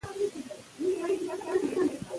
په افغانستان کې د غزني د پرمختګ لپاره هڅې روانې دي.